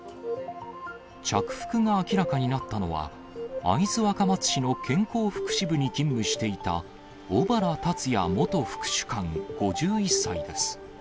着服が明らかになったのは、会津若松市の健康福祉部に勤務していた小原龍也元副主幹５１歳です。